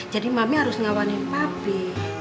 jadi mami harus ngawannya papi